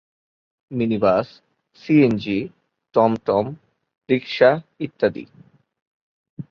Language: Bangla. মিনিবাস, সিএনজি, টমটম, রিক্সা ইত্যাদি